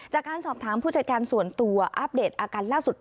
จากการสอบถามผู้จัดการส่วนตัวอัปเดตอาการล่าสุด